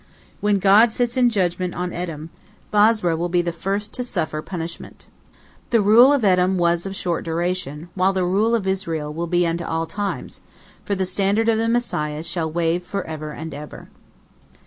When God sits in judgment on Edom, Bozrah will be the first to suffer punishment. The rule of Edom was of short duration, while the rule of Israel will be unto all times, for the standard of the Messiah shall wave forever and ever.